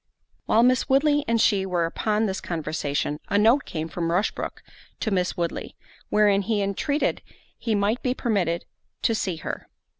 While Miss Woodley and she were upon this conversation, a note came from Rushbrook to Miss Woodley, wherein he entreated he might be permitted to see her.